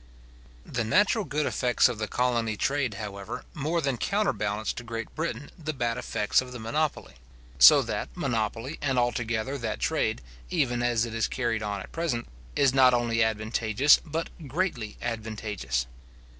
The natural good effects of the colony trade, however, more than counterbalance to Great Britain the bad effects of the monopoly; so that, monopoly and altogether, that trade, even as it is carried on at present, is not only advantageous, but greatly advantageous.